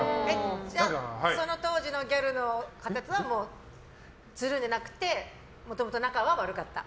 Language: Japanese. その当時のギャルの方とはもうつるんでなくてもともと仲は悪かった？